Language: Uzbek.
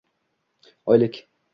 Oylik